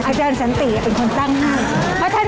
ใช่ท่านสันติเป็นคนตั้งให้